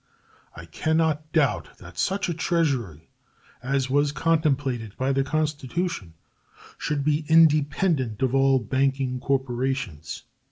I can not doubt that such a treasury as was contemplated by the Constitution should be independent of all banking corporations.